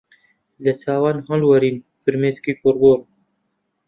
لە چاوان هەڵوەرین فرمێسکی گوڕگوڕ